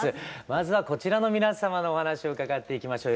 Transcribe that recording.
まずはこちらの皆様のお話を伺っていきましょう。